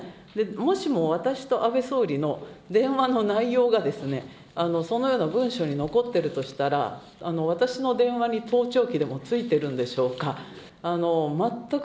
もしも私と安倍総理の電話の内容がですね、そのような文書に残ってるとしたら、私の電話に盗聴器でもついてるんでしょうか。